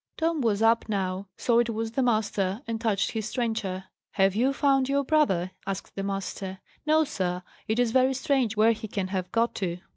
Tom was up now, saw it was the master, and touched his trencher. "Have you found your brother?" asked the master. "No, sir. It is very strange where he can have got to."